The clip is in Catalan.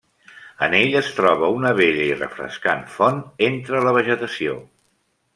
En ell es troba una bella i refrescant font entre la vegetació.